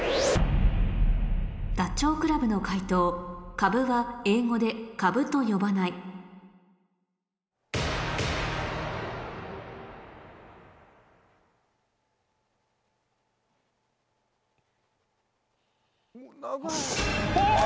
ダチョウ倶楽部の解答カブは英語で「カブ」と呼ばないおぉ！